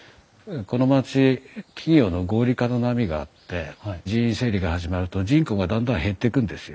この町企業の合理化の波があって人員整理が始まると人口がどんどん減ってくんですよ。